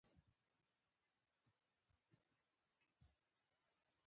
د شاه تره عرق د څه لپاره وڅښم؟